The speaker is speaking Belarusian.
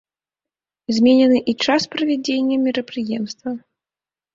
Зменены і час правядзення мерапрыемства.